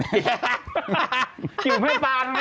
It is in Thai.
กิวกีวไหม้ปานอ่ะแม่